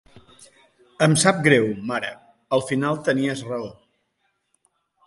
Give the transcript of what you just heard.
Em sap greu, mare, al final tenies raó.